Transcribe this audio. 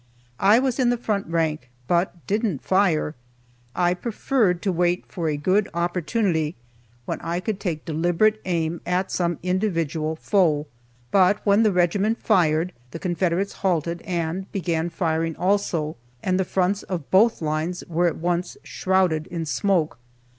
I was in the front rank, but didn't fire. I preferred to wait for a good opportunity, when I could take deliberate aim at some individual foe. But when the regiment fired, the Confederates halted and began firing also, and the fronts of both lines were at once shrouded in smoke.